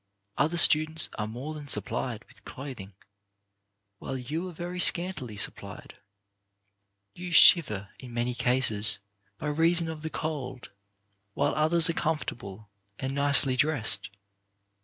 Other students are more than supplied with clothing, while you are very scantily supplied. You shiver, in many cases, by reason of the cold, while others are comfortable and nicely dressed.